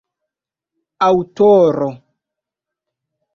aŭtoro